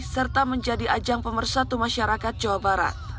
serta menjadi ajang pemersatu masyarakat jawa barat